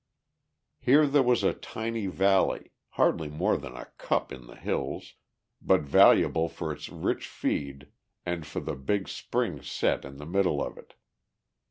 Here there was a tiny valley, hardly more than a cup in the hills, but valuable for its rich feed and for the big spring set in the middle of it.